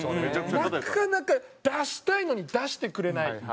なかなか出したいのに出してくれない。